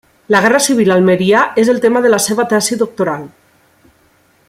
La Guerra Civil a Almeria és el tema de la seva tesi doctoral.